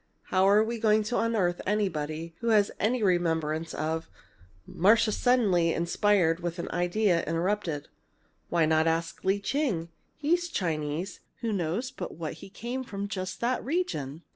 How are we going to unearth anybody who has any remembrance of " Marcia suddenly inspired with an idea, interrupted: "Why not ask Lee Ching? He's Chinese. Who knows but what he came from just that region?"